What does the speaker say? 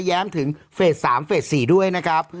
แม้มถึงเฟส๓เฟส๔ด้วยนะครับ